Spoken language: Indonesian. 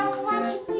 nah ini jadi